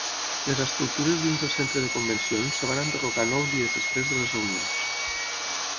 Les estructures dins del centre de convencions es van enderrocar nou dies després de les reunions.